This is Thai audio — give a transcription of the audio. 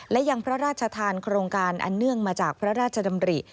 และยังพระราชทานโครงการอันเนื่องมาจากพระราชดำริ